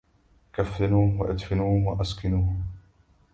كفنوه وادفنوه أسكنوه